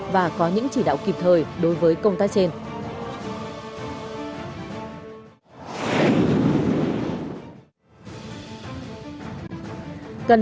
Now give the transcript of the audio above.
và có những chỉ đạo kịp thời đối với công tác trên